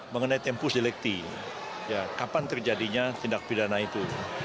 mengenai tempus dilekti kapan terjadinya tindak pidana itu